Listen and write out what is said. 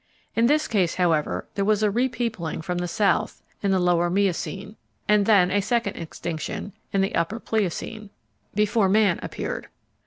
In this case, however, there was a repeopling from the South (in the Lower Miocene) and then a second extinction (in the Upper Pliocene) before man appeared.